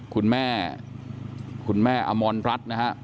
คุณแม่คุณแม่อมรรดิ์นะครับ